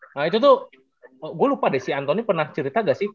nah itu tuh gue lupa deh si anthony pernah cerita gak sih